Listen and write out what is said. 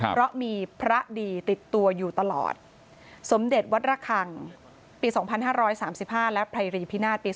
เพราะมีพระดีติดตัวอยู่ตลอดสมเด็จวัดระคังปี๒๕๓๕และไพรรีพินาศปี๒๕